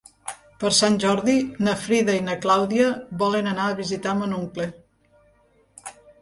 Per Sant Jordi na Frida i na Clàudia volen anar a visitar mon oncle.